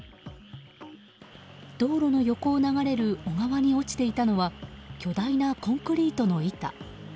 道路の横を流れる小川に落ちていたのは巨大なコンクリートの板。